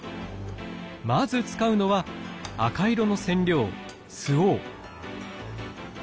まず使うのは赤色の染料スオウ。